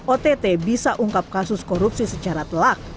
ott bisa ungkap kasus korupsi secara telak